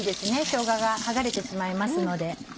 しょうがが剥がれてしまいますので。